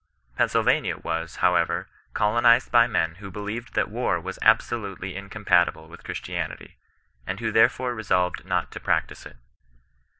Pennsylvania was, however, colonized by men who believed that war was absolutely incompatible with Christianity, and who therefore re solved not to practise it.